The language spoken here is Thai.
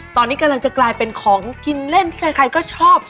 ตอนนี้กำลังจะกลายเป็นของกินเล่นที่ใครก็ชอบ